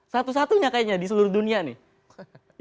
satu satunya kayaknya di seluruh dunia nih